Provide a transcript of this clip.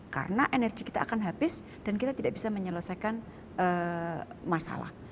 karena energi kita akan habis dan kita tidak bisa menyelesaikan masalah